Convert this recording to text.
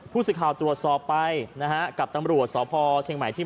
ผู้สื่อข่าวตรวจสอบไปนะฮะกับตำรวจสพเชียงใหม่ที่